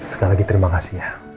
sekali lagi terima kasih